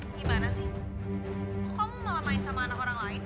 gimana sih om malah main sama anak orang lain